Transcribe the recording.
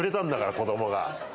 子供が。